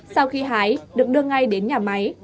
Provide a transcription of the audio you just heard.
sau khi hái được đưa ngay đến nhà máy